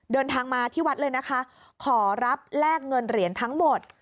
เดินทางมาที่วัดเลยนะคะขอรับแลกเงินเหรียญทั้งหมด